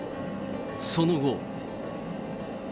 その後。